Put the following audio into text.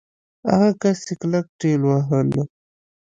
هغه کس يې کلک ټېلوهه.